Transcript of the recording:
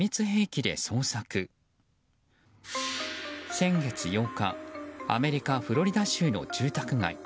先月８日アメリカ・フロリダ州の住宅街。